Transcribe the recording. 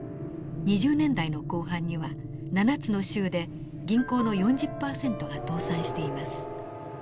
２０年代の後半には７つの州で銀行の４０％が倒産しています。